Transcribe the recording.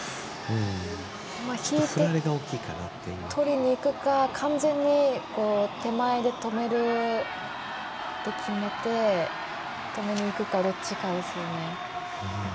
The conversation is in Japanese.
引いてとりにいくか完全に手前で止めるって決めて止めにいくか、どっちかですよね。